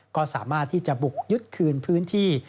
ก็สามารถที่จะบุกยึดคืนพื้นที่